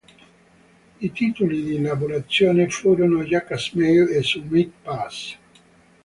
I titoli di lavorazione furono "Jackass Mail" e "Summit Pass".